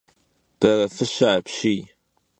Berefışe apşiy!